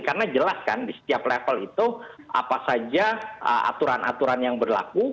karena jelas kan di setiap level itu apa saja aturan aturan yang berlaku